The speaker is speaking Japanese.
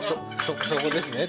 そこですね